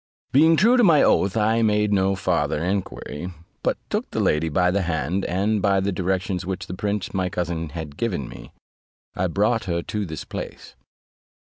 Being true to my oath, I made no farther enquiry, but took the lady by the hand, and by the directions which the prince my cousin had given me, I brought her to the place.